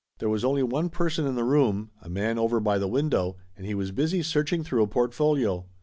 There was only one person in the room, a man over by the window, and he was busy searching through a portfolio.